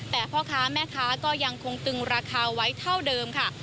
แต่พ่อค้าแม่ค้าก็ยังคงตึงราคาไว้เท่าเดิมค่ะ